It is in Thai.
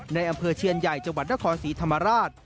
ในอำเภอเชียนใหญ่จังหวัดนครศรีธรรมราช